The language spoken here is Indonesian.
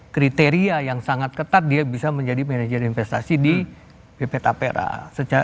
kriteria yang sangat ketat dia bisa menjadi manajer investasi di bp tapera